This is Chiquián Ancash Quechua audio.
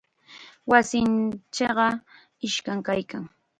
Wasinchikqa iskam kaykan.